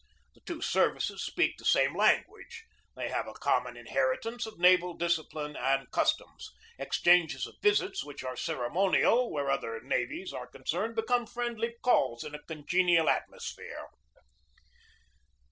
The two services speak the same language; they have a common inheritance of naval discipline and customs. Exchanges of visits which are ceremonial where other navies are con cerned become friendly calls in a congenial atmos phere.